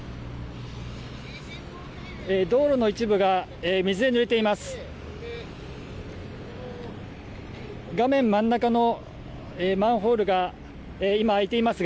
道路の一部が水で濡れています。